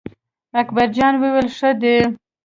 اکبر جان وویل: ښه دی.